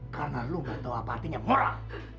karena lu nggak tahu apa artinya moral